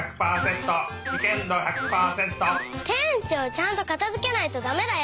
ちゃんとかたづけないとだめだよ！